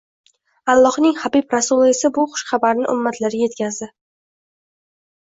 Allohning habib rasuli esa bu xushxabarni ummatlariga yetkazdi